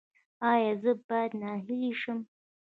ایا زه باید ناهیلي شم؟